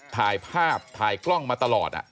ถ้าเขาถูกจับคุณอย่าลืม